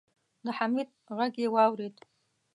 د حميد غږ يې واورېد.